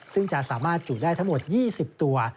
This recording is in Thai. ซึ่งจะสามารถจุได้ทั้งหมด๒๐ตัว